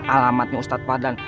alamatnya ustadz fadlan